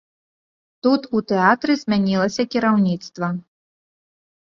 Тут у тэатры змянілася кіраўніцтва.